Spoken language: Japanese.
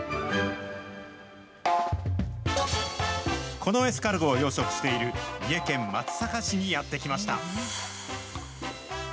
このエスカルゴを養殖している、三重県松阪市にやって来ました。